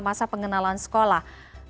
setelah masa pengenalan sekolah